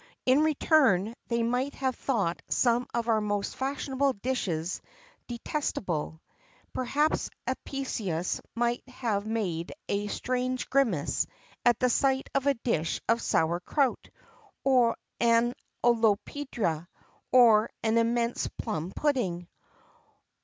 In return, they might have thought some of our most fashionable dishes detestable; perhaps Apicius might have made a strange grimace at the sight of a dish of sour crout, an olla podrida, or an immense plum pudding.